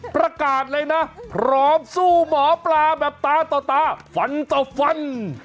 ประกาศเลยนะพร้อมสู้หมอปลาแบบตาต่อตาฟันต่อฟัน